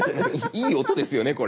いい音ですよねこれ。